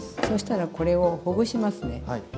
そしたらこれをほぐしますね。